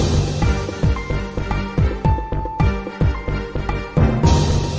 ติดตามต่อไป